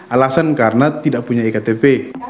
alasan karena tidak punya ektp